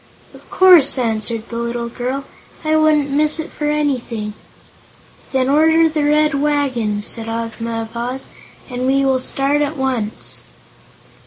"Of course," answered the little girl; "I wouldn't miss it for anything." "Then order the Red Wagon," said Ozma of Oz, "and we will start at once."